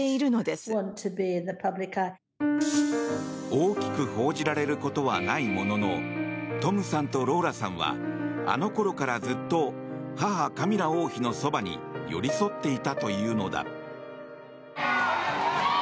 大きく報じられることはないもののトムさんとローラさんはあのころからずっと母カミラ王妃のそばに寄り添っていたというのだ。